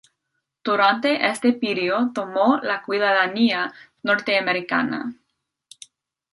Durante este período tomó la ciudadanía norteamericana.